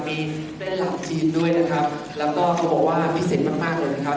มีแฟนคลับจีนด้วยนะครับแล้วก็เขาบอกว่าพิเศษมากมากเลยนะครับ